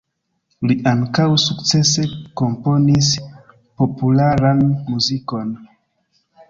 Li ankaŭ sukcese komponis popularan muzikon.